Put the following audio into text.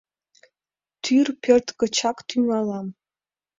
Тӱр пӧрт гычак тӱҥалам.